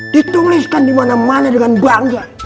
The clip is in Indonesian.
dituliskan dimana mana dengan bangga